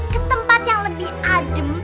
ketempat yang lebih adem